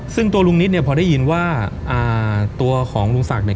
ซึ่งตัวลุงนิดเนี่ยพอได้ยินว่าตัวของลุงศักดิ์เนี่ย